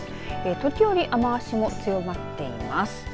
時折雨足も強まっています。